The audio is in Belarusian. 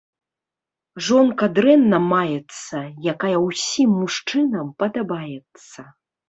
Жонка дрэнна маецца, якая ўсім мужчынам падабаецца.